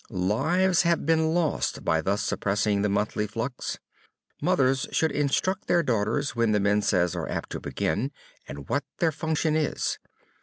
Lives have been lost by thus suppressing the monthly flux. Mothers should instruct their daughters when the menses are apt to begin, and what their function is.